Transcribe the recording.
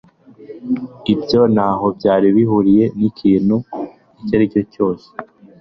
ibyo ntaho byari bihuriye n'ikintu icyo ari cyo cyose